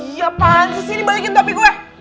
iya apaan sih sini balikin tapi gue